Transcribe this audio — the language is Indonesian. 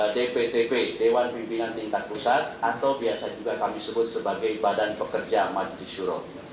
dptp dewan pimpinan tingkat pusat atau biasa juga kami sebut sebagai badan pekerja majlis syuro